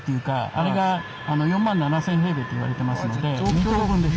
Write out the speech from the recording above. あれが４７，０００っていわれてますので２棟分です。